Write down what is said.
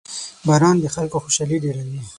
• باران د خلکو خوشحالي ډېروي.